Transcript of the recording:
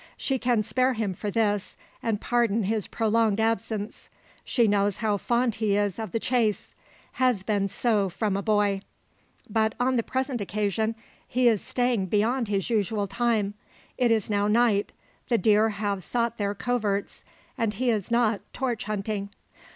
She can spare him for this, and pardon his prolonged absence. She knows how fond he is of the chase; has been so from a boy. But, on the present occasion, he is staying beyond his usual time. It is now night; the deer have sought their coverts; and he is not "torch hunting."